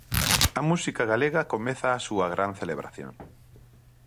A música galega comeza a súa gran celebración.